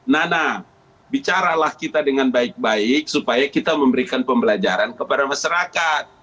nana bicaralah kita dengan baik baik supaya kita memberikan pembelajaran kepada masyarakat